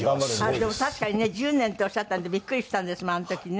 でも確かにね１０年っておっしゃったんでビックリしたんですあの時ね。